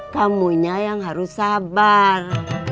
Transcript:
kamunya yang harus sabar